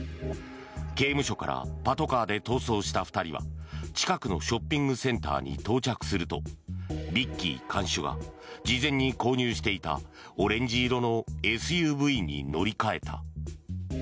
刑務所からパトカーで逃走した２人は近くのショッピングセンターに到着するとビッキー看守が事前に購入していたオレンジ色のＳＵＶに乗り換えた。